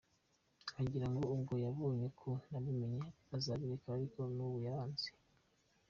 nkagira ngo ubwo yabonye ko nabimenye azabireka ariko nubu yaranze .